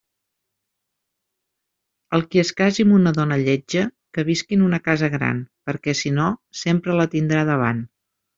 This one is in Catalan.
El qui es case amb una dona lletja, que visca en una casa gran, perquè si no, sempre la tindrà davant.